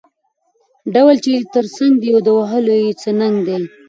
ـ ډول چې دې تر څنګ دى د وهلو يې څه ننګ دى.